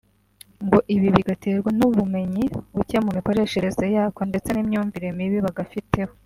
ngo ibi bigaterwa n’ubumenyi buke mu mikoreshereze yako ndetse n’imyumvire mibi bagafiteho